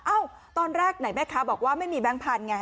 ตอนแรกไหนแม่ค้าบอกว่าไม่มีแบงค์พันธุไง